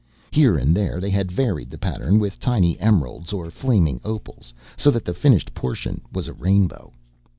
Here and there they had varied the pattern with tiny emeralds or flaming opals, so that the finished portion was a rainbow.